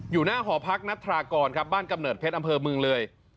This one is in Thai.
อยู่หน้าหอพักนัทรากรครับบ้านกำเนิดเพชรอำเภอเมืองเลย